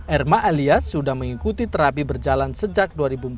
erma alias sudah mengikuti terapi berjalan sejak dua ribu empat belas